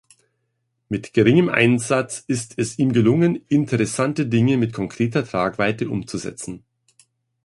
Mit geringem Einsatz ist es ihm gelungen, interessante Dinge mit konkreter Tragweite umzusetzen.